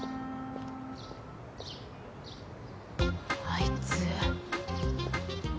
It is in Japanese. あいつ。